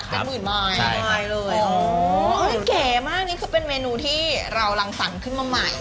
ครับเป็นหมื่นไมล์ใช่ใช่เลยอ๋อเก๋มากนี่คือเป็นเมนูที่เราลังสั่งขึ้นมาใหม่